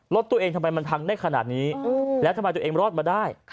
รถตัวเองทำไมมันพังได้ขนาดนี้แล้วทำไมตัวเองรอดมาได้